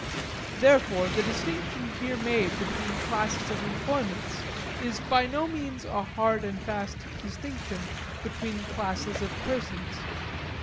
Therefore the distinction here made between classes of employments is by no means a hard and fast distinction between classes of persons.